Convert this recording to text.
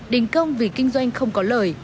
đình công vì kinh doanh không có lời